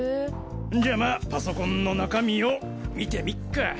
んじゃまぁパソコンの中身を見てみっか。